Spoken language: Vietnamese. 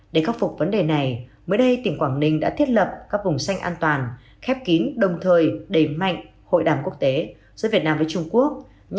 để khắc phục vấn đề này mới đây tỉnh quảng ninh đã thiết lập các vùng xanh an toàn khép kín đồng thời đẩy mạnh hội đàm quốc tế giữa việt nam với trung quốc